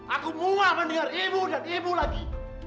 aku mau mandengar ibu dan ibu lagi